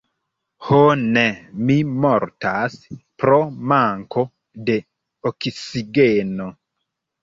Ho ne! Mi mortas pro manko de oksigeno!